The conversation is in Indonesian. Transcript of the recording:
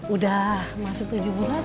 udah masuk tujuh bulan